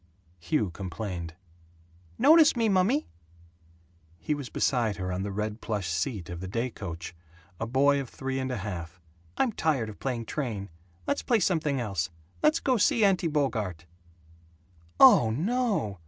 Hugh complained, "Notice me, mummy!" He was beside her on the red plush seat of the day coach; a boy of three and a half. "I'm tired of playing train. Let's play something else. Let's go see Auntie Bogart." "Oh, NO!